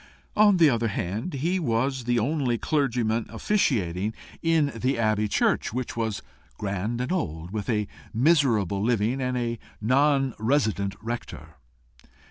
On the other hand, he was the only clergyman officiating in the abbey church, which was grand and old, with a miserable living and a non resident rector.